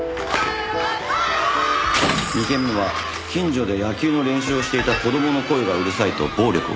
２件目は近所で野球の練習をしていた子供の声がうるさいと暴力を。